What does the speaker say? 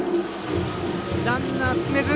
ランナー、進めず。